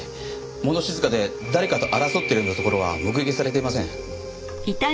物静かで誰かと争っているようなところは目撃されていません。